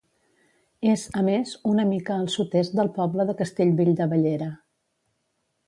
És, a més, una mica al sud-est del poble de Castellvell de Bellera.